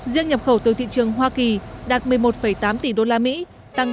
riêng nhập khẩu từ thị trường hoa kỳ đạt một mươi một tám tỷ đô la mỹ tăng ba mươi tám bảy